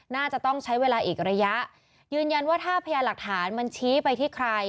น่าจะต้องใช้เวลาอีกระยะยืนยันว่าถ้าพยาหลักฐานมันชี้ไปที่ใคร